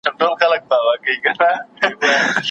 له څپو څخه د امن و بېړۍ ته